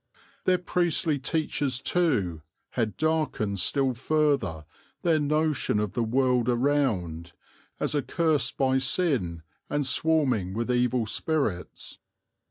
Their priestly teachers, too, had darkened still further their notion of the world around, as accursed by sin and swarming with evil spirits.